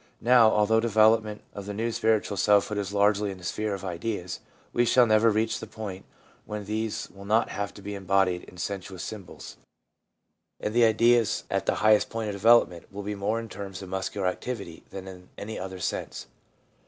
Now, although development of the new spiritual selfhood is largely in the sphere of ideas, we shall never reach the point when these will not have to be embodied in sensuous symbols ; and the ideas at the highest point of development will be more in terms of muscular activity than in any other sense.